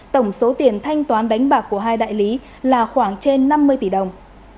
tổng số tiền thanh toán đánh bạc của hai đại lý là khoảng trên năm mươi tỷ đồng